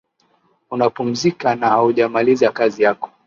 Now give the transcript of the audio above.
una pumzika na haujamaliza kazi yako